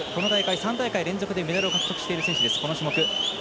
３大会連続でメダルを獲得している選手です。